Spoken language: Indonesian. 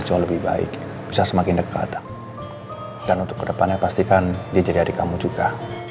jauh lebih baik bisa semakin dekat dan untuk kedepannya pastikan di jari hari kamu juga